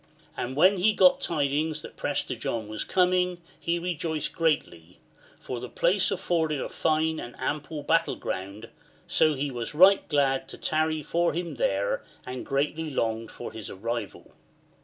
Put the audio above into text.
And when he got tidings that Prester Chap. XLIX. CIIINGHIS KAAN AND PRESTER JOHN 24 1 John was coming, he rejoiced greatly, for the place afforded a fine and ample battle ground, so he was right glad to tarry for him there, and greatly longed for his arrival.